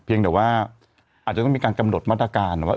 แต่ว่าอาจจะต้องมีการกำหนดมาตรการว่า